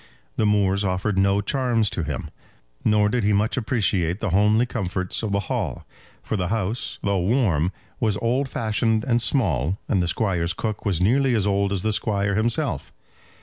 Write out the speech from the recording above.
The moors offered no charms to him. Nor did he much appreciate the homely comforts of the Hall; for the house, though warm, was old fashioned and small, and the Squire's cook was nearly as old as the Squire himself.